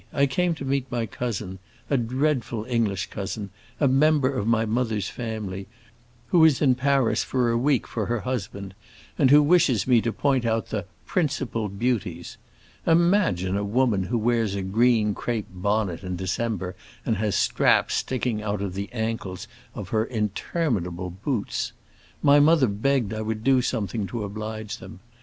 I came to meet my cousin—a dreadful English cousin, a member of my mother's family—who is in Paris for a week for her husband, and who wishes me to point out the 'principal beauties.' Imagine a woman who wears a green crape bonnet in December and has straps sticking out of the ankles of her interminable boots! My mother begged I would do something to oblige them.